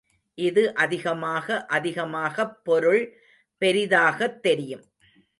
இது அதிகமாக அதிகமாகப் பொருள் பெரிதாகத் தெரியும்.